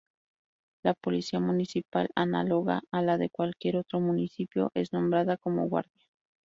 La policía municipal, análoga a la de cualquier otro municipio, es nombrada como "Guardia".